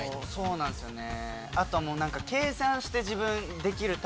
そうなんすよね。